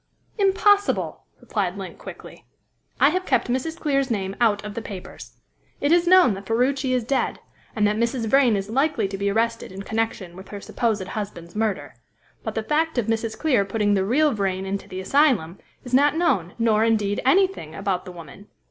"Impossible!" replied Link quickly. "I have kept Mrs. Clear's name out of the papers. It is known that Ferruci is dead, and that Mrs. Vrain is likely to be arrested in connection with her supposed husband's murder. But the fact of Mrs. Clear putting the real Vrain into the asylum is not known, nor, indeed, anything about the woman.